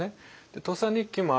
「土佐日記」もある意味